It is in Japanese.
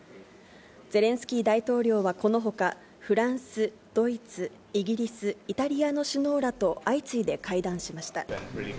ゼレンスキー大統領はこのほか、フランス、ドイツ、イギリス、イタリアの首脳らと相次いで会談しました。